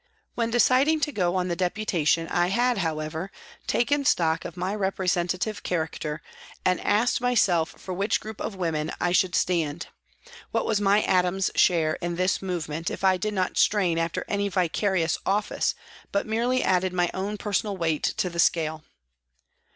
When deciding to go on the Deputation I had, however, taken stock of my representative character and asked myself for which group of women I should stand, what was my atom's share in this movement if I did not strain after any vicarious office but merely added my own personal weight to the scale